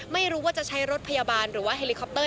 ไม่รู้ว่าจะใช้รถพยาบาลหรือว่าเฮลิคอปเต